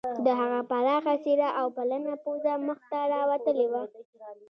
د هغه پراخه څیره او پلنه پوزه مخ ته راوتلې وه